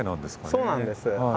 そうなんです。